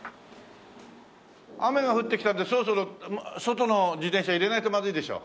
雨が降ってきたんでそろそろ外の自転車入れないとまずいでしょ？